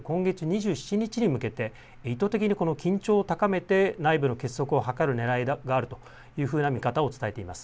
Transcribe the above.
今月２７日に向けて意図的にこの緊張を高めて内部の結束を図るねらいがあるというふうな見方を伝えています。